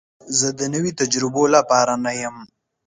زه د نوي تجربو لپاره نه یم.